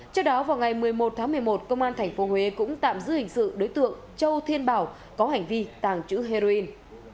trước đó vào ngày một mươi một tháng một mươi một công an tp huế cũng tạm giữ hình sự đối tượng châu thiên bảo có hành vi tàng trữ heroin